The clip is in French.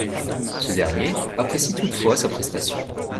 Ce dernier apprécie toutefois sa prestation.